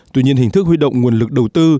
tuy nhiên hình thức huy động nguồn lực đầu tư